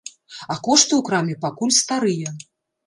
А кошты ў краме пакуль старыя.